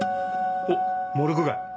おっ『モルグ街』。